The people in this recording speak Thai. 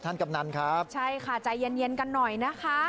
กำนันครับใช่ค่ะใจเย็นเย็นกันหน่อยนะคะ